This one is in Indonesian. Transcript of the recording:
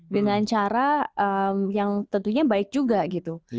dengan cara yang tentunya baik juga gitu